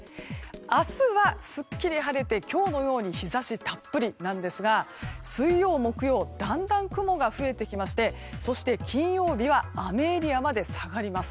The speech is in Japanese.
明日はすっきり晴れて今日のように日差したっぷりなんですが水曜、木曜だんだん雲が増えてきましてそして、金曜日は雨エリアまで下がります。